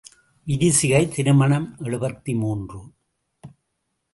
விரிசிகை திருமணம் எழுபத்து மூன்று.